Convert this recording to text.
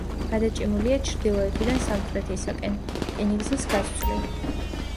გადაჭიმულია ჩრდილოეთიდან სამხრეთისაკენ, რკინიგზის გასწვრივ.